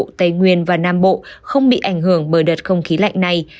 các tỉnh nam trung bộ không bị ảnh hưởng bởi đợt không khí lạnh này